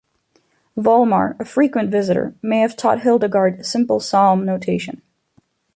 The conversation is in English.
Volmar, a frequent visitor, may have taught Hildegard simple psalm notation.